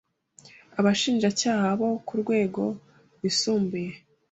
Abashinjacyaha bo ku Rwego Rwisumbuye